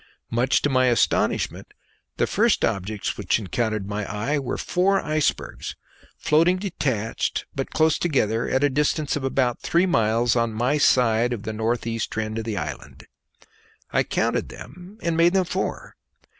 Much to my astonishment, the first objects which encountered my eye were four icebergs, floating detached but close together at a distance of about three miles on my side of the north east trend of the island. I counted them and made them four.